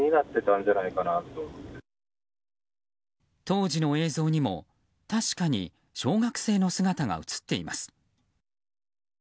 当時の映像にも確かに小学生の姿が映っています。